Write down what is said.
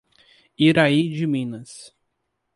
Iraí de Minas